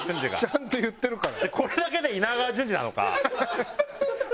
ちゃんと言ってるから。